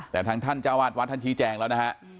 แต่ทางท่านเจ้าวาดวัดท่านชี้แจงแล้วนะฮะ